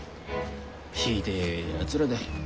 ひでえやつらだ。